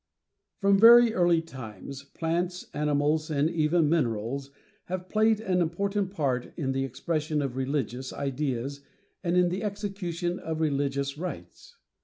From very early times plants, animals, and even minerals have played an important part in the expression of religious ideas and in the execution of religious rites.